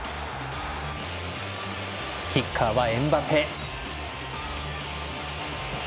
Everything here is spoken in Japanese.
キッカーはエムバペ。